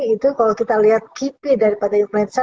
itu kalau kita lihat kipi daripada influenza